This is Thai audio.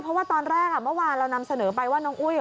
เพราะว่าตอนแรกเมื่อวานเรานำเสนอไปว่าน้องอุ้ย